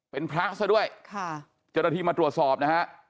เป็นพระซะด้วยค่ะเจ้าหน้าที่มาตรวจสอบนะฮะ